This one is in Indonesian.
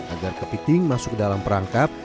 agar kepiting masuk ke dalam perangkap